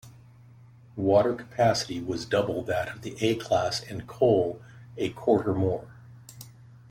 Water capacity was double that of the A class and coal a quarter more.